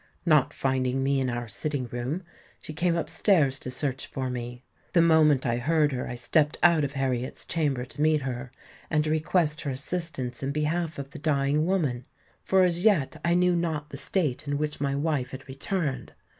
Not finding me in our sitting room, she came up stairs to search for me. The moment I heard her, I stepped out of Harriet's chamber to meet her, and request her assistance in behalf of the dying woman—for as yet I knew not the state in which my wife had returned.